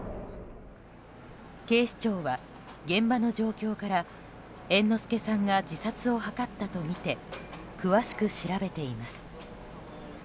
警視庁は、現場の状況から猿之助さんが自殺を図ったとみて詳しく調べています。